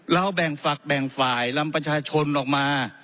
แบ่งฝักแบ่งฝ่ายลำประชาชนออกมา